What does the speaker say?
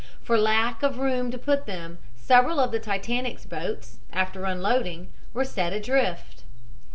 For lack of room to put them, several of the Titanic's boats, after unloading, were set adrift.